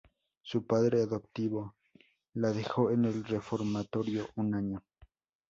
Su padre adoptivo la dejó en el reformatorio un año.